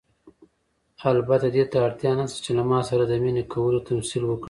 البته دې ته اړتیا نشته چې له ما سره د مینې کولو تمثیل وکړئ.